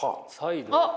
あっ！